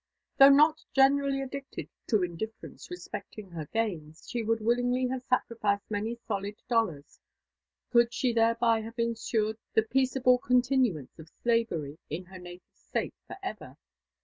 Though not greatly addicted to indifference respecting her gains, she would willingly have sacrificed many solid dollars, could she thereby have ensured the peaceable continuance of slavery in her native Slate for ever.